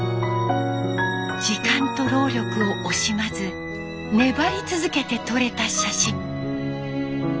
時間と労力を惜しまず粘り続けて撮れた写真。